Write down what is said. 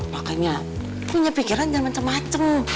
makanya punya pikiran jangan macem macem